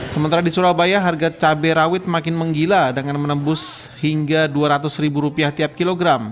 sementara di surabaya harga cabai rawit makin menggila dengan menembus hingga dua ratus ribu rupiah tiap kilogram